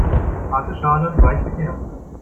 Harte Schale weicher Kern.